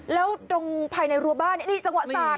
แล้วตรงภายในรัวบ้านนี่จังหวะสาด